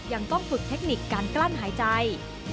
ยังต้องฝึกเทคนิคการกลั้นหายใจ